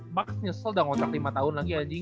maks nyesel udah ngotak lima tahun lagi anjing